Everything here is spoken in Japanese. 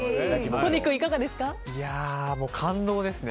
都仁君、いかがですか？